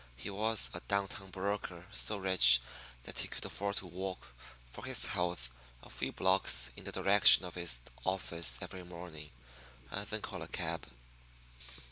He was a downtown broker, so rich that he could afford to walk for his health a few blocks in the direction of his office every morning, and then call a cab.